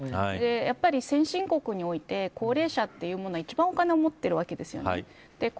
やっぱり先進国において高齢者というものは一番お金を持っているわけです。